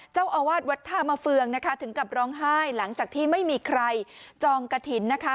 เจ้าอาวาสวัดท่ามะเฟืองนะคะถึงกับร้องไห้หลังจากที่ไม่มีใครจองกระถิ่นนะคะ